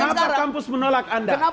kenapa kampus menolak anda